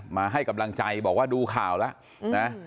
มาให้กำลังใจบอกว่าดูข่าวแล้วนะ